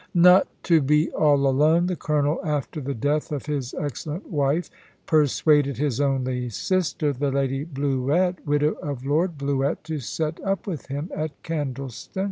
Not to be all alone, the Colonel, after the death of his excellent wife, persuaded his only sister, the Lady Bluett, widow of Lord Bluett, to set up with him at Candleston.